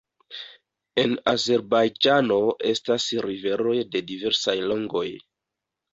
En Azerbajĝano estas riveroj de diversaj longoj.